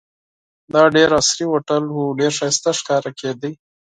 دا ډېر عصري هوټل وو، ډېر ښایسته ښکارېده.